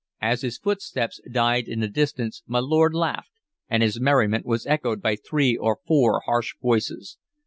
As his footsteps died in the distance my lord laughed, and his merriment was echoed by three or four harsh voices.